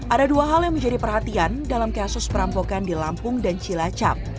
ada dua hal yang menjadi perhatian dalam kasus perampokan di lampung dan cilacap